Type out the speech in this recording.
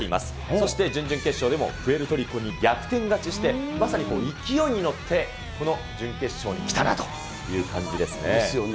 そして準々決勝でもプエルトリコに逆転勝ちして、まさに勢いに乗って、この準決勝に来たなという感じですね。ですよね。